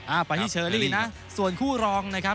ไปที่เชอรี่นะส่วนคู่รองนะครับ